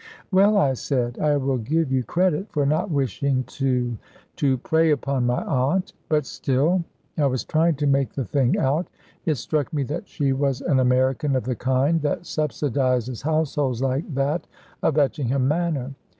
"Well," I said, "I will give you credit for not wishing to to prey upon my aunt. But still ..." I was trying to make the thing out. It struck me that she was an American of the kind that subsidizes households like that of Etchingham Manor.